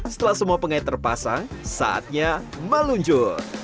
setelah semua pengait terpasang saatnya meluncur